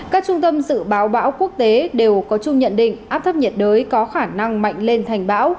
các trung tâm dự báo bão quốc tế đều có chung nhận định áp thấp nhiệt đới có khả năng mạnh lên thành bão